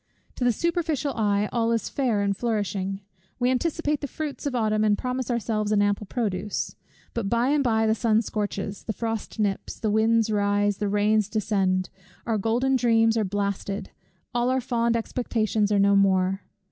To the superficial eye, all is fair and flourishing; we anticipate the fruits of Autumn, and promise ourselves an ample produce. But by and by the sun scorches, the frost nips, the winds rise, the rains descend; our golden dreams are blasted, all our fond expectations are no more.